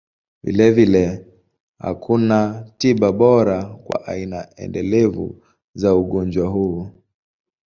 Vilevile, hakuna tiba bora kwa aina endelevu za ugonjwa huu.